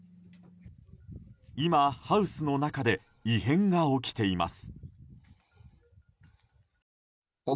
今、ハウスの中で異変が起きています。